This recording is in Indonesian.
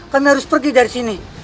kami harus pergi dari sini